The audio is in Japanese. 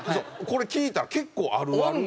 これ聞いたら結構あるある。